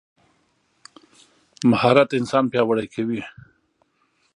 مهارت انسان پیاوړی کوي.